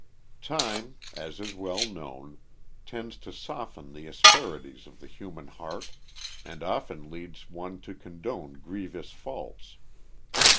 Time, as is well known, tends to soften the asperities of the human heart and often leads one to condone grievous faults.